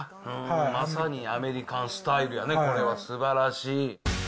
まさにアメリカンスタイルやね、これは、すばらしい。